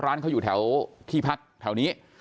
ร้านเขาอยู่แถวที่พักแถวนี้